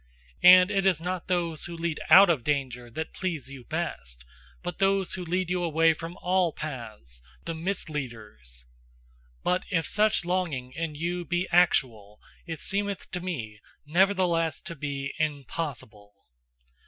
And it is not those who lead OUT OF danger that please you best, but those who lead you away from all paths, the misleaders. But if such longing in you be ACTUAL, it seemeth to me nevertheless to be IMPOSSIBLE.